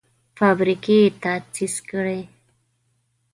فابریکې تاسیس کړي.